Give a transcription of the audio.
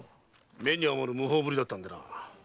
目に余る無法ぶりだったのでな。